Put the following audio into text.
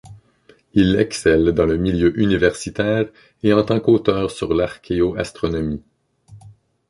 Il excelle dans le milieu universitaire et en tant qu'auteur sur l'archéoastronomie.